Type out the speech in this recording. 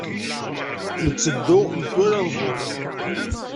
Nteddu metwal anẓul.